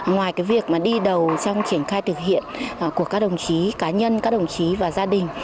ngoài cái việc mà đi đầu trong triển khai thực hiện của các đồng chí cá nhân các đồng chí và gia đình